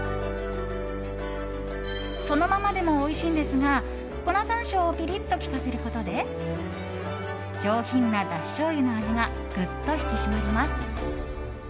そのままでもおいしいのですが粉山椒をピリッと効かせることで上品なだししょうゆの味がぐっと引き締まります。